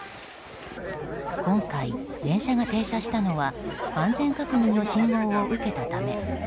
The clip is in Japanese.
今回、電車が停車したのは安全確認の信号を受けたため。